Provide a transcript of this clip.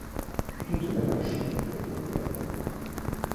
Toute l’anarchie est dans le gamin.